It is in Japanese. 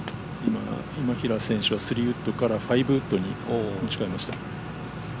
今平選手は３ウッドから５ウッドに持ち替えました。